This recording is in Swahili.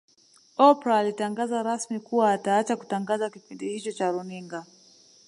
Oprah alitangaza rasmi kuwa ataacha kutangaza kipindi hicho cha Runinga